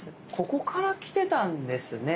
ここからきてたんですね